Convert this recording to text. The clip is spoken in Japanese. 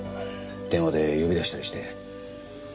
電話で呼び出したりして。